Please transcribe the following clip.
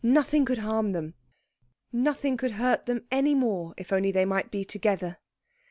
Nothing could harm them, nothing could hurt them any more, if only they might be together.